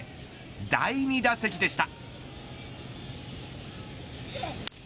第２打席でした。